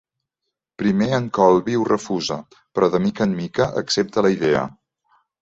Primer, en Colby ho refusa, però, de mica en mica, accepta la idea.